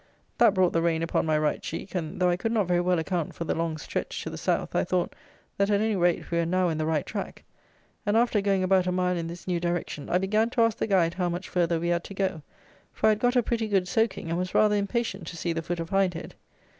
That brought the rain upon my right cheek, and, though I could not very well account for the long stretch to the South, I thought, that, at any rate, we were now in the right track; and, after going about a mile in this new direction, I began to ask the guide how much further we had to go; for I had got a pretty good soaking, and was rather impatient to see the foot of Hindhead.